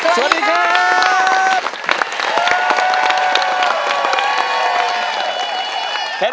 สวัสดีครับ